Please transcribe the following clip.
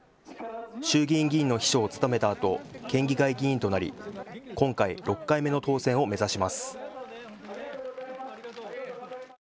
衆議院議員の秘書を務めたあと県議会議員となり今回６回目の当選を目指します。